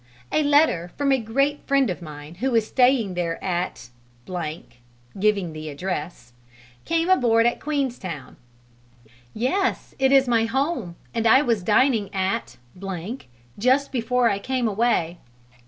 a letter from a great friend of mine who is staying there at [giving the address] came aboard at Queenstown." "Yes, it is my home: and I was dining at just before I came away."